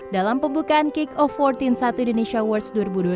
dalam pembukaan kick off empat belas satu indonesia awards dua ribu dua puluh